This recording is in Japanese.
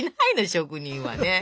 職人はね。